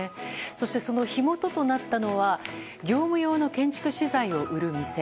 そして、火元となったのは業務用の建築資材を売る店。